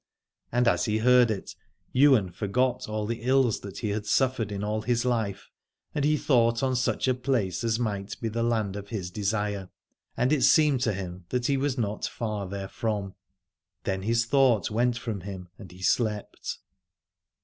And as he heard it Ywain forgot all the ills that he had suffered in all his life, and he thought on such a place as might be the land of his desire: and it seemed to him that he was not far therefrom. Then his thought went from him and he slept.